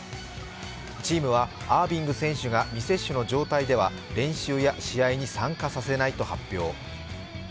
チームは、アービング選手が未接種の状態では練習や試合に参加させないと発表。